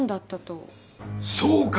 そうか！